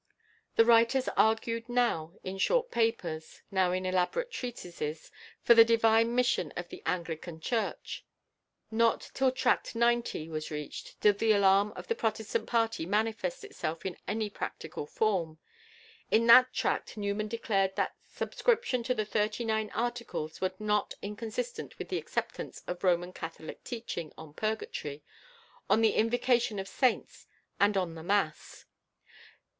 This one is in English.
The writers argued now in short papers, now in elaborate treatises, for the Divine mission of the Anglican Church. Not till "Tract XC." was reached did the alarm of the Protestant party manifest itself in any practical form. In that Tract Newman declared that subscription to the Thirty nine Articles was not inconsistent with the acceptance of Roman Catholic teaching on purgatory, on the invocation of saints, and on the mass.